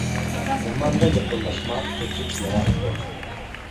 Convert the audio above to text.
يامانغا يېقىنلاشما قېچىپ يىراق تۇر.